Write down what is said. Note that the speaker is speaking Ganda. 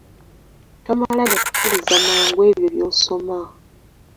Tomala gakkiriza mangu ebyo by'osoma.